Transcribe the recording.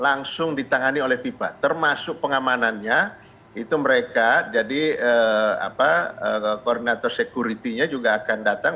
langsung ditangani oleh fifa termasuk pengamanannya itu mereka jadi koordinator sekuritinya juga akan datang